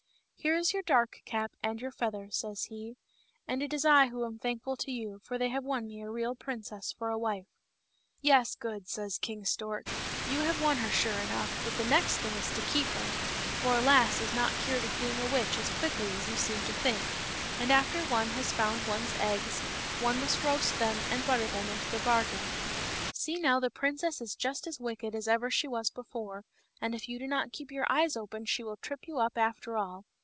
Here is your dark cap and your feather," says he, " and it is I who am thankful to you, for they have won me a real princess for a wife/* " Yes, good," says King Stork, " you have won her, sure enough, but the next thing is to keep her ; for a lass is not cured of being a witch as quickly as you seem to think, and after one has found one's eggs one must roast them and butter them into the bargain. See now, the princess is just as wicked as ever she was before, and if you do not keep your eyes open she will trip you up after all.